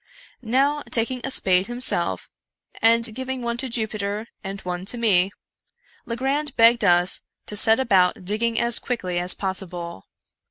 Taking now a spade himself, and giv ing one to Jupiter and one to me, Legrand begged us to set about digging as quickly as possible.